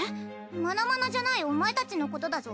マナマナじゃないお前たちのことだぞ。